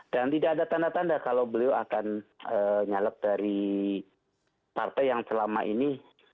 dan tidak ada tanda tanda kalau beliau akan nyalep dari partai yang selama ini